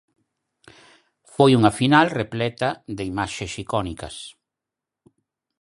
Foi unha final repleta de imaxes icónicas.